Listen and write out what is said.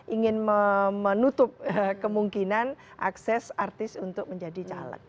ingin menutup kemungkinan akses artis untuk menjadi caleg